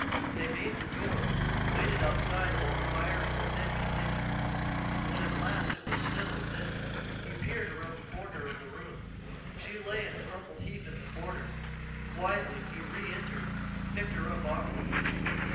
They made the door, waited outside while the firing within continued. When at last it was still within, he peered around the corner of the room. She lay in a crumpled heap in the corner; quietly he re entered, picked her up awkwardly.